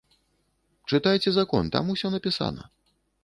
Чытайце закон, там усё напісана.